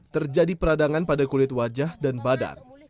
terjadi peradangan pada kulit wajah dan badan